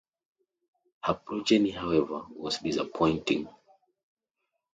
Her progeny however was disappointing.